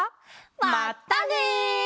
まったね！